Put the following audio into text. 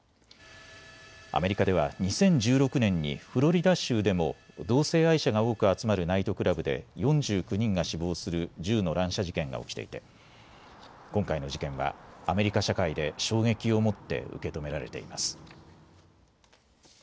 アメリカでは２０１６年にフロリダ州でも同性愛者が多く集まるナイトクラブで４９人が死亡する銃の乱射事件が起きていて今回の事件はアメリカ社会で衝撃を持って受け止められています。